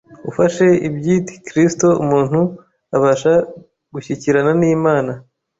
ufashe iby’it Kristo umuntu abasha gushyikirana n’Imana.